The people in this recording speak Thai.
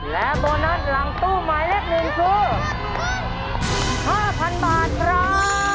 และโบนัสหลังตู้หมายเลข๑คือ๕๐๐๐บาทครับ